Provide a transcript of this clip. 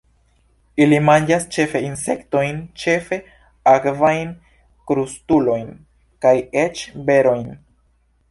Ili manĝas ĉefe insektojn, ĉefe akvajn, krustulojn kaj eĉ berojn.